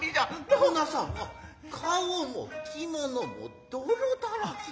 こなさん顔も着物も泥だらけ。